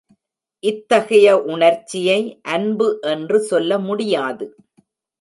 இத்தகைய உணர்ச்சியை அன்பு என்று சொல்ல முடியாது.